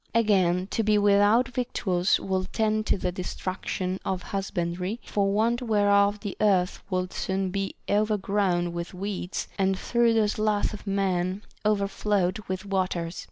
Again, to be without victuals would tend to the destruction of husbandry, for want whereof the earth would soon be overgrown with weeds, and through the sloth of men overflowed with waters.